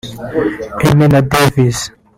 Aimee na Davis